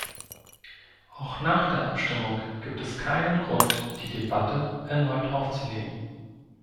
Auch nach der Abstimmung gibt es keinen Grund, die Debatte erneut aufzunehmen.